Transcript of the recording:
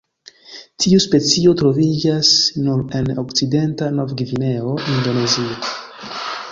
Tiu specio troviĝas nur en Okcidenta Nov-Gvineo, Indonezio.